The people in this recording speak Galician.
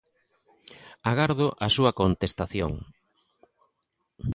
Agardo a súa contestación.